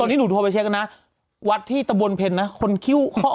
ตอนนี้หนูโทรไปเช็คกันนะวัดที่ตะบนเพ็ญนะคนคิ้วข้อ